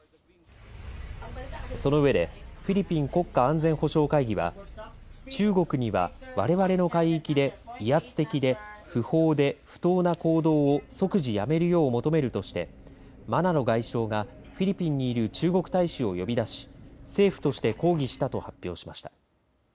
その上でフィリピン国家安全保障会議は中国には、われわれの海域で威圧的で不法で不当な行動を即時やめるよう求めるとしてマナロ外相がフィリピンにいる中国大使を呼び出し政府として抗議したと発表しました。